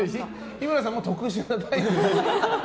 日村さんも特殊なタイプですよ。